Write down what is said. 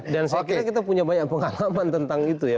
dan saya kira kita punya banyak pengalaman tentang itu ya